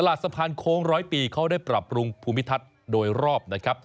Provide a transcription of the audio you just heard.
สะพานโค้งร้อยปีเขาได้ปรับปรุงภูมิทัศน์โดยรอบนะครับ